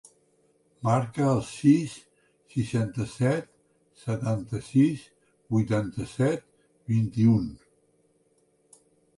Marca el sis, seixanta-set, setanta-sis, vuitanta-set, vint-i-u.